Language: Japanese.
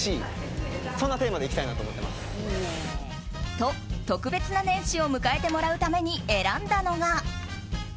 と、特別な年始を迎えてもらうために選んだのが。